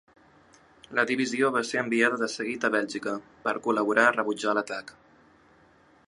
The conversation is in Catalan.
La divisió va ser enviada de seguit a Bèlgica per col·laborar a rebutjar l'atac.